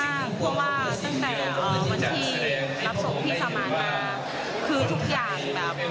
คือทุกอย่างสมศักดิ์ศรีมากแล้วก็เป็นเกียรติที่สุดเลย